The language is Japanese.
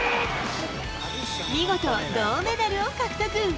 見事、銅メダルを獲得。